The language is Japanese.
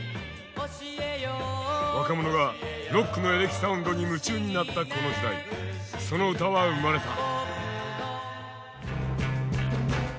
若者がロックのエレキサウンドに夢中になったこの時代その歌は生まれた。